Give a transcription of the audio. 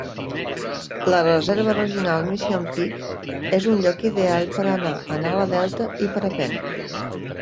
La Reserva Regional Mission Peak és un lloc ideal per anar en ala delta i parapent.